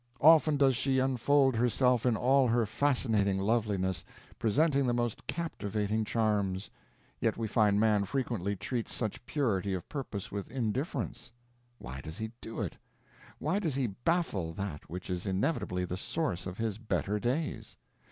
Often does she unfold herself in all her fascinating loveliness, presenting the most captivating charms; yet we find man frequently treats such purity of purpose with indifference. Why does he do it? Why does he baffle that which is inevitably the source of his better days?